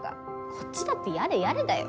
こっちだってやれやれだよ。